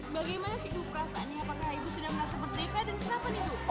bagaimana sih ibu perasaannya apakah ibu sudah merasa merdeka dan kenapa nih bu